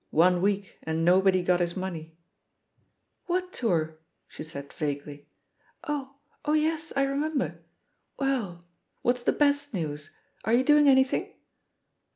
One week, and nobody got his money/' "What tour?" she said vaguely. "Oh, oh yes, I remember 1 Well, what's the best news? Are you doing anything?"